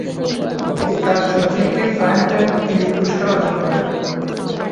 এই কাজের জন্য তিনি একটি প্রাইমটাইম এমি পুরস্কার অর্জন করেন।